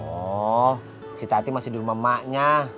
oh si tati masih di rumah maknya